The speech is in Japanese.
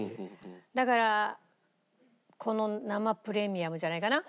だからこの生プレミアムじゃないかな？